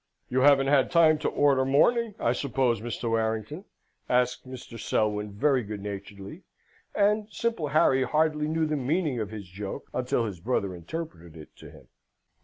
"You haven't had time to order mourning, I suppose, Mr. Warrington?" asks Mr. Selwyn very good naturedly, and simple Harry hardly knew the meaning of his joke until his brother interpreted it to him.